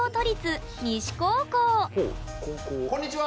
こんにちは！